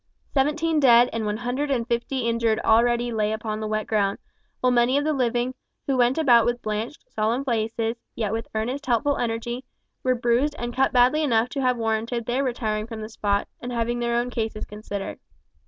Seventeen dead and one hundred and fifty injured already lay upon the wet ground, while many of the living, who went about with blanched, solemn faces, yet with earnest helpful energy, were bruised and cut badly enough to have warranted their retiring from the spot, and having their own cases considered.